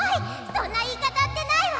そんないいかたってないわ！